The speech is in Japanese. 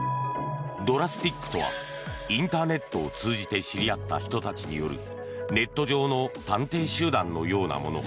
ＤＲＡＳＴＩＣとはインターネットを通じて知り合った人たちによるネット上の探偵集団のようなもの。